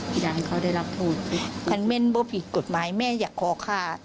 อยากให้เขาได้รับโทษคันเม่นว่าผิดกฎหมายแม่อยากขอฆ่า